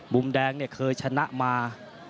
มุมแดงเนี่ยเคยชนะมา